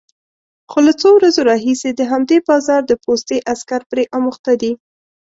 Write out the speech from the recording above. خو له څو ورځو راهيسې د همدې بازار د پوستې عسکر پرې اموخته دي،